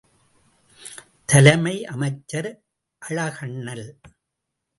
தலைமை அமைச்சர் அழகண்ணல்.